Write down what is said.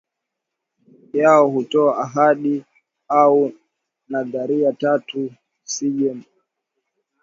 yao hutoa ahadi au nadhiri tatu Useja mtakatifu atachagua maisha bila